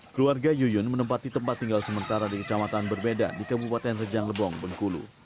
keluarga yuyun menempati tempat tinggal sementara di kecamatan berbeda di kabupaten rejang lebong bengkulu